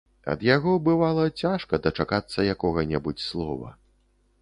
Ад яго, бывала, цяжка дачакацца якога-небудзь слова.